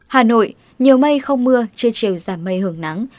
hà nội nhiều mây không mưa trưa chiều giảm mây hưởng nắng